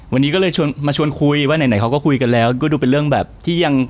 วันนี้ก็เลยชวนมาชวนคุยว่าไหนไหนเขาก็คุยกันแล้วก็ดูเป็นเรื่องแบบที่ยัง